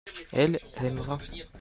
elle, elle aimera.